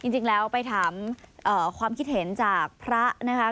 จริงแล้วไปถามความคิดเห็นจากพระนะคะ